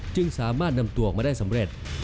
จึงสามารถนำตัวออกมาได้สำเร็จ